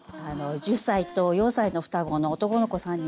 １０歳と４歳の双子の男の子３人です。